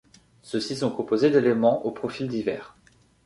Ceux-ci sont composés d'éléments aux profils divers.